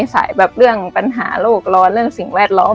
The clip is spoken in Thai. สายแบบเรื่องปัญหาโลกร้อนเรื่องสิ่งแวดล้อม